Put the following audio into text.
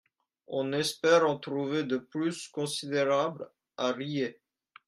On espère en trouver de plus considérables à Ried.